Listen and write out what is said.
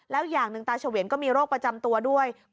แล้วอย่างหนึ่งตาเฉวียนก็มีโรคประจำตัวด้วย